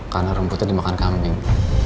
karena rumputnya dimakan kambing